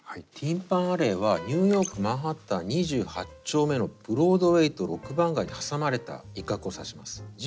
ティン・パン・アレーはニューヨーク・マンハッタン２８丁目のブロードウェイと６番街に挟まれた一角を指します。